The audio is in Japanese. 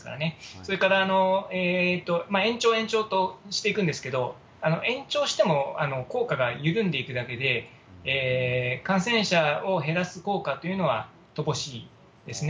それから延長、延長としていくんですけど、延長しても効果が緩んでいくだけで、感染者を減らす効果というのは乏しいですね。